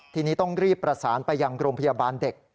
ทีนี้ต้องรีบประสานไปยังโรงพยาบาลเด็ก